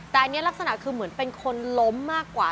แต่อันนี้ลักษณะคือเหมือนเป็นคนล้มมากกว่า